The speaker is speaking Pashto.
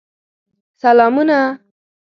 سلامونه !